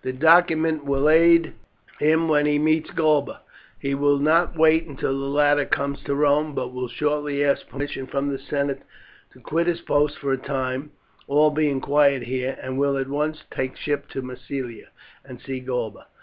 This document will aid him when he meets Galba. He will not wait until the latter comes to Rome, but will shortly ask permission from the senate to quit his post for a time, all being quiet here, and will at once take ship to Massilia and see Galba.